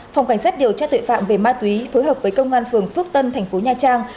phòng cảnh sát điều tra tuệ phạm về ma túy phối hợp với công an phường phước tân tp nha trang